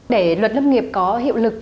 để luật lâm nghiệp có hiệu lực